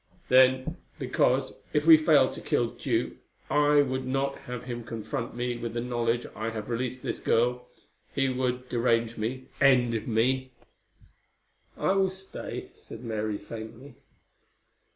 "Then because, if we fail to kill Tugh, I would not have him confront me with the knowledge I have released this girl. He would derange me; end me." "I will stay," said Mary faintly.